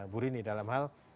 bu rini dalam hal